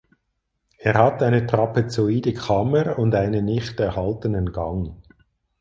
Er hat eine trapezoide Kammer und einen nicht erhaltenen Gang.